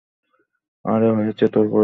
আরে হয়েছে তোর পরিচয় দেয়া।